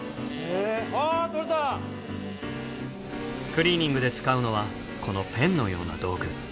クリーニングで使うのはこのペンのような道具。